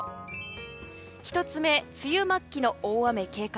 １つ目、梅雨末期の大雨警戒。